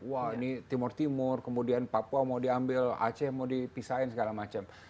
wah ini timur timur kemudian papua mau diambil aceh mau dipisahin segala macam